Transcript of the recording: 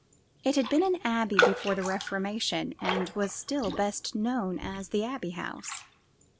It had been an abbey before the Reformation, and was still best known as the Abbey House.